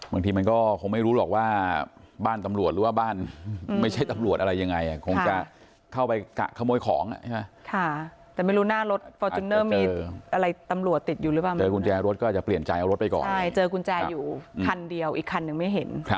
บางที่มันก็คงไม่รู้หรอกว่าบ้านตำรวจหรือว่าบ้านไม่ใช่ตำรวจอะไรยังไง